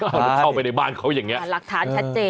แล้วเข้าไปในบ้านเขาอย่างนี้หลักฐานชัดเจน